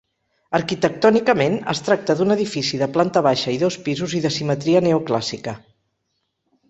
Arquitectònicament, es tracta d'un edifici de planta baixa i dos pisos i de simetria neoclàssica.